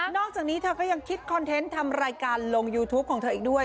อกจากนี้เธอก็ยังคิดคอนเทนต์ทำรายการลงยูทูปของเธออีกด้วย